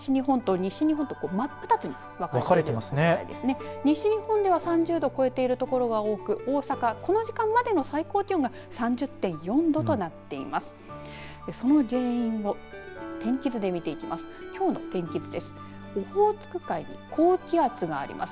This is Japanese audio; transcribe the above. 西日本では３０度を超えている所が多く大阪、この時間までの最高気温が３０．４度となっています。